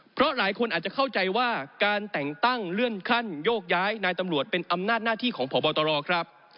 เพราะหลายคนอาจจะเข้าใจว่าการแต่งตั้งเลื่อนขั้นโยกย้ายนายตำรวจเป็นอำนาจหน้าที่ของพบตรครับ